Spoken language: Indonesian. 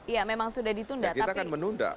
iya memang sudah ditunda kita kan menunda